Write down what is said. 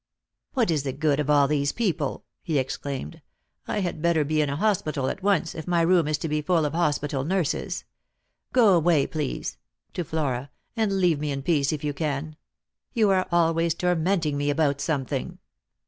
" What is the good of all these people ?" he exclaimed. " I had better be in a hospital at once, if my room is to be full of hospital nurses. Go away, please," to Flora ;" and leave me in peace, if you can. You are always tormenting me about some thing."